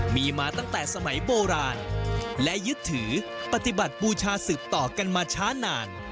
มีมาตั้งแต่สมัยโบราณและยึดถือปฏิบัติบูชาสืบต่อกันมาช้านาน